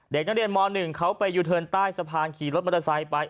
เด็กนักเรียนม๑เขาไปยูเทิร์นใต้สะพานขี่รถมอเตอร์ไซค์ไป